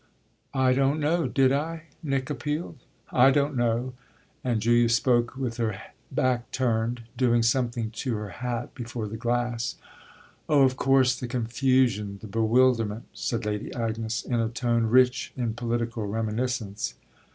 "I don't know. Did I?" Nick appealed. "I don't know!" and Julia spoke with her back turned, doing something to her hat before the glass. "Oh of course the confusion, the bewilderment!" said Lady Agnes in a tone rich in political reminiscence.